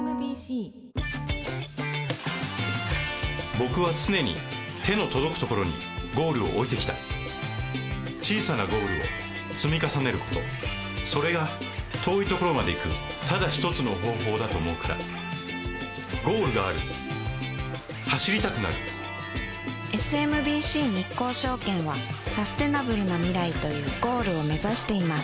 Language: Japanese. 僕は常に手の届くところにゴールを置いてきた小さなゴールを積み重ねることそれが遠いところまで行くただ一つの方法だと思うからゴールがある走りたくなるＳＭＢＣ日興証券はサステナブルな未来というゴールを目指しています